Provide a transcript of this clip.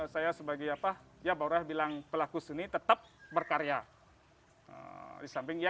saya sebagai pelaku seni tetap berkarya